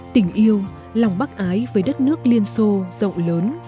tình yêu lòng bác ái với đất nước liên xô rộng lớn